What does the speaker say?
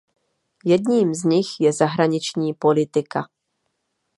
Jedním z nich je zahraniční politika.